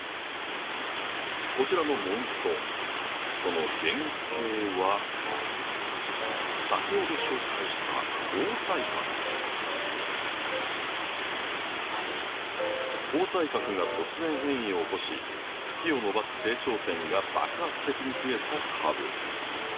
こちらのモンストその原型は先ほど紹介した紅彩閣が突然変異を起こし茎を伸ばす成長点が爆発的にふえた株。